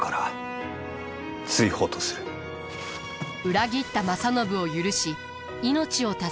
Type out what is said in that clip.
裏切った正信を許し命を助けた家康。